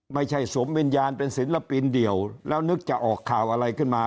สวมวิญญาณเป็นศิลปินเดี่ยวแล้วนึกจะออกข่าวอะไรขึ้นมา